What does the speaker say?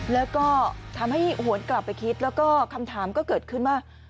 แล้วก็ทำให้หวนกลับไปคิดแล้วก็คำถามก็เกิดขึ้นว่า